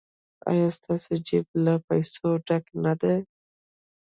ایا ستاسو جیب له پیسو ډک نه دی؟